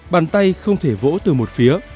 bàn tay không thể vỗ từ một phía